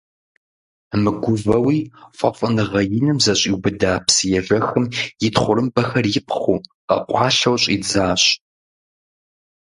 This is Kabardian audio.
Мыгувэуи фӀэфӀыныгъэ иным зэщӀиубыда псыежэхым, и тхъурымбэхэр ипхъыу, къэкъуалъэу щӀидзащ.